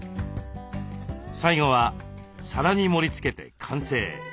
最後は皿に盛りつけて完成。